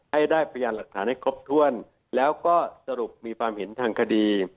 ให้ได้พยานหลักฐานให้ครบถ้วนแล้วก็สรุปมีความเห็นทางคดี